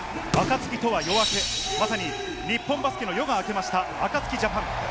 暁とは夜明け、まさに日本バスケの夜が明けました、ＡＫＡＴＳＵＫＩＪＡＰＡＮ。